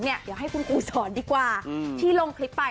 เดี๋ยวให้คุณครูสอนดีกว่าที่ลงคลิปไป